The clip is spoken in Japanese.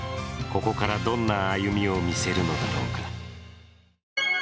ここからどんな歩みを見せるのだろうか？